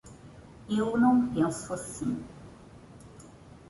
Eu não penso assim.